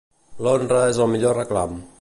L'honra és el millor reclam.